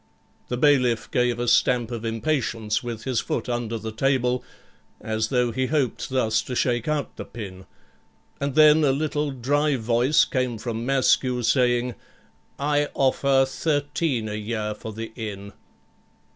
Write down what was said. The bailiff gave a stamp of impatience with his foot under the table as though he hoped thus to shake out the pin, and then a little dry voice came from Maskew, saying 'I offer 13 a year for the inn.'